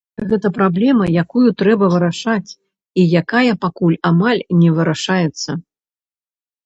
Гэта праблема, якую трэба вырашаць, і якая пакуль амаль не вырашаецца.